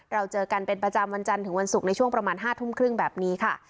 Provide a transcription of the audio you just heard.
เราเจอกันเป็นประจำวันจันทร์ถึงวันศุกร์ในช่วงประมาณ๕ทุ่มครึ่งแบบนี้ค่ะ